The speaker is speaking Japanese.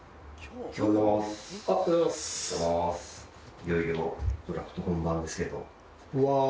いよいよドラフト本番ですけど。